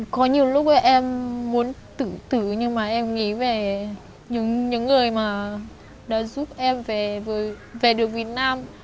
có nhiều lúc em muốn tự tử nhưng mà em nghĩ về những người mà đã giúp em về được việt nam